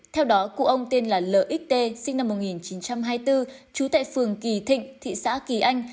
theo đó cụ ông tên là lxt sinh năm một nghìn chín trăm hai mươi bốn trú tại phường kỳ thịnh thị xã kỳ anh